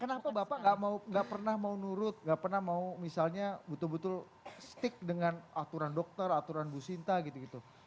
kenapa bapak nggak pernah mau nurut gak pernah mau misalnya betul betul stick dengan aturan dokter aturan bu sinta gitu gitu